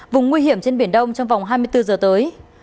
vùng nguy hiểm trên biển đông trong vòng hai mươi bốn giờ tới